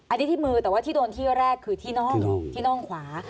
อันนี้ที่มือแต่ว่าที่โดนที่แรกคือที่น่องที่น่องขวา